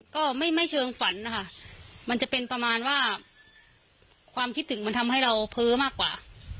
ก็ไม่เชิงฝันนะคะมันจะเป็นประมาณว่าความคิดถึงมันทำให้เราเพ้อมากกว่า